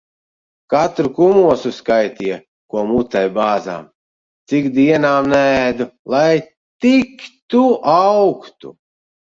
Katru kumosu skaitīja, ko mutē bāzām. Cik dienām neēdu, lai tik tu augtu.